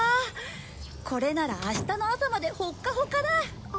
これなら明日の朝までホッカホカだ。